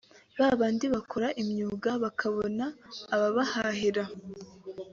babandi bakora imyuga bakabona ababahahira